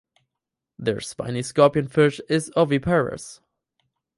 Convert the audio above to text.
The spiny scorpionfish is oviparous.